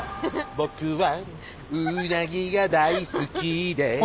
「僕はうなぎが大好きで」